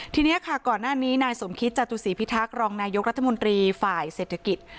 ทีนี้ค่ะก่อนหน้านี้นายสมคิตจตุศีพิทักษ์รองนายกรัฐมนตรีฝ่ายเศรษฐกิจ